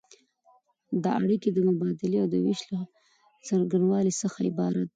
دا اړیکې د مبادلې او ویش له څرنګوالي څخه عبارت دي.